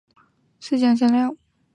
名称的意思是将香料。